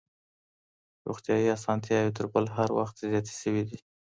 روغتيايي اسانتياوې تر بل هر وخت زياتي سوي دي.